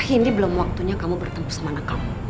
ini belum waktunya kamu bertemu sama anak kamu